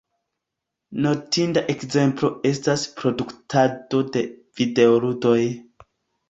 Notinda ekzemplo estas produktado de videoludoj.